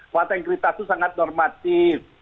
fakta integritas itu sangat normatif